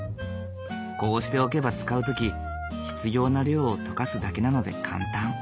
こうしておけば使う時必要な量を解かすだけなので簡単。